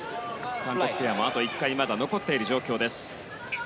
韓国ペアもあと１回残っている状況です。